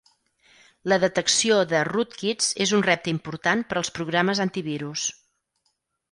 La detecció de rootkits és un repte important per als programes antivirus.